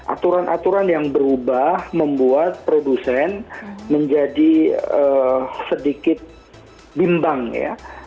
aturan aturan yang berubah membuat produsen menjadi sedikit bimbang ya